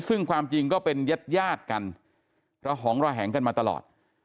ซึ่งความจริงก็เป็นเย็ดกันเพราะหองเราแห่งกันมาตลอด